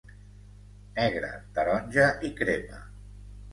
Negre, taronja i crema.